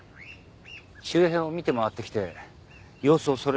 周辺を見て回ってきて様子をそれで見せてください。